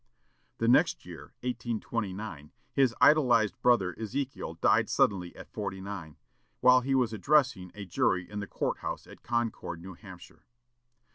The next year, 1829, his idolized brother Ezekiel died suddenly at forty nine, while he was addressing a jury in the court house at Concord, New Hampshire.